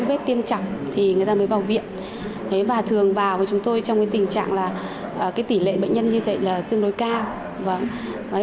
bệnh viện thanh nhàn đã đưa ra một bệnh viện tương đối cao